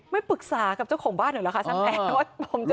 ไม่ปรึกษากับเจ้าของบ้านเหรอคะช่างแอร์ว่าผมจะติดตรงนี้